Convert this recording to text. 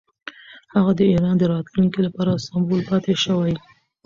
هغه د ایران د راتلونکي لپاره سمبول پاتې شوی.